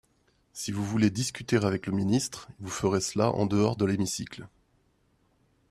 Si vous voulez discuter avec le ministre, vous ferez cela en dehors de l’hémicycle.